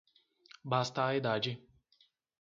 Basta a idade